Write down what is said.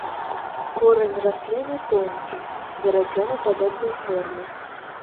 Корань расліны тонкі, верацёнападобнай формы.